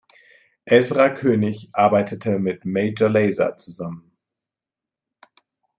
Ezra Koenig arbeitete mit Major Lazer zusammen.